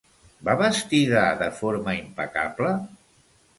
Va vestida de forma impecable?